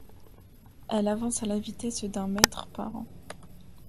Elle avance à la vitesse d'un mètre par an.